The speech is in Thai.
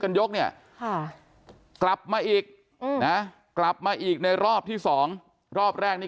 ยกเนี่ยค่ะกลับมาอีกนะกลับมาอีกในรอบที่สองรอบแรกนี่